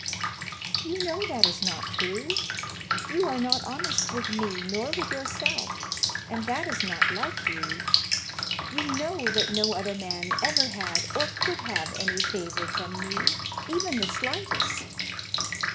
"You know that is not true. You are not honest with me nor with yourself, and that is not like you. You know that no other man ever had, or could have, any favor from me, even the slightest.